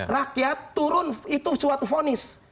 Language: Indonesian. rakyat turun itu suatu fonis